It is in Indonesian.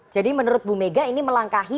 jadi menurut bu mega ini melangkahi